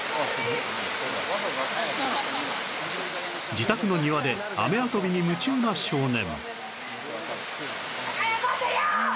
自宅の庭で雨遊びに夢中な少年